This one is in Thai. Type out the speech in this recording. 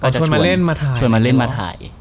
ชวนมาเล่นมาถ่าย